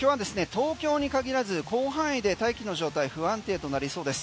東京に限らず広範囲で大気の状態不安定となりそうです。